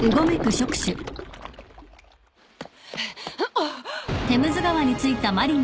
あっ。